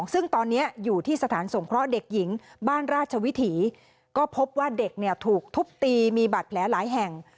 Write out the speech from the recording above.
ซึ่งตอนนี้อยู่ที่สถานสงเคราะห์เด็กหญิงบ้านราชวิถีก็พบว่าเด็กถูกทุบตีมีบาดแผลหลายแห่ง